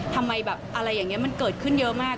ทำไมแบบอะไรอย่างนี้มันเกิดขึ้นเยอะมาก